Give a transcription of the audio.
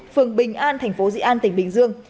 phường bình an thành phố dị an tỉnh bình dương